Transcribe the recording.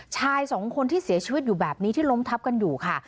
ชายสองคนที่เสียชีวิตอยู่แบบนี้ที่ล้มทับกันอยู่ค่ะ